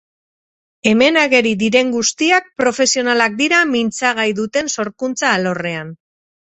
Hemen ageri diren guztiak profesionalak dira mintzagai duten sorkuntza alorrean.